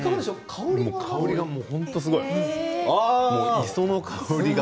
香りが本当にすごい磯の香りが。